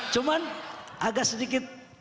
cuman agak sedikit